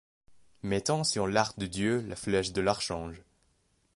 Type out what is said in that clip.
Mettant sur l'arc du dieu la flèche de l'archange